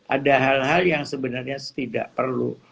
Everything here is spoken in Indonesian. ada hal hal yang sebenarnya tidak perlu